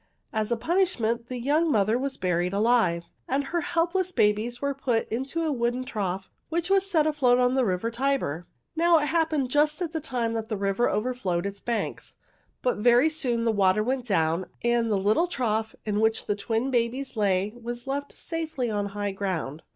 As a punishment the young mother was buried alive, and her helpless babies were put into a wooden trough, which was set afloat on the river Tiber. "Now it happened just at that time that the river overflowed its banks. But very soon the water went down, and the little trough in which the twin babies lay was left safely on high ground.